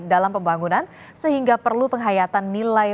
dalam pembangunan sehingga perlu penghayatan nilai